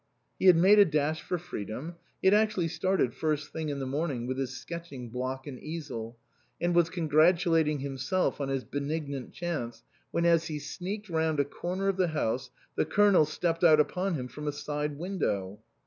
He had made a dash for freedom ; he had actually started first thing in the morning with his sketching block and easel, and was con gratulating himself on his benignant chance, when as he sneaked round a corner of the house, the Colonel stepped out upon him from a side window.